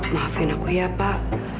maafin aku ya pak